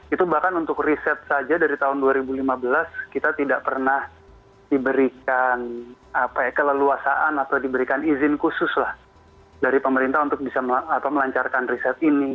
itu bahkan untuk riset saja dari tahun dua ribu lima belas kita tidak pernah diberikan keleluasaan atau diberikan izin khusus lah dari pemerintah untuk bisa melancarkan riset ini